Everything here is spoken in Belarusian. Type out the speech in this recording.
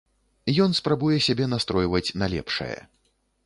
Ён спрабуе сябе настройваць на лепшае.